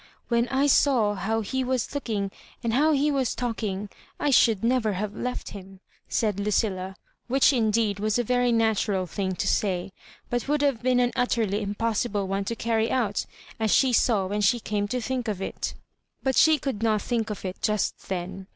" When I saw how he was look ing, and how he was talking, I should never have left him," said Lucilla, which indeed was a very natural thing to say, but would have been an utterly impossible one to carry out, as she saw when ehe came to think of it But she could not think of it just then.